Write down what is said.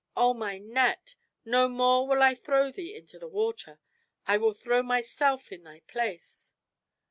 Oh, my net! no more will I throw thee into the water; I will throw myself in thy place."